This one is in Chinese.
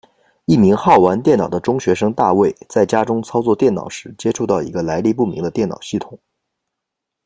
一名好玩电脑的中学生大卫，在家中操作电脑时接触到一个来历不明的电脑系统。